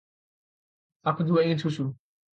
Aku juga ingin susu.